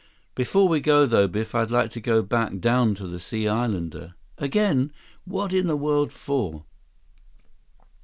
"Before we go, though, Biff, I'd like to go back down to the Sea Islander—" "Again? What in the world for?"